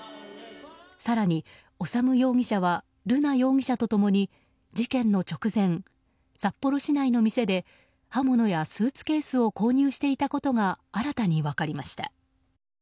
更に、修容疑者は瑠奈容疑者と共に事件の直前、札幌市内の店で刃物やスーツケースを購入していたことが新たに分かりました。